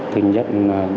thì rất là